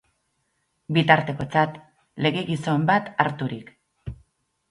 Bitartekotzat legegizon bat harturik.